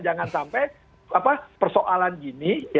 jangan sampai persoalan gini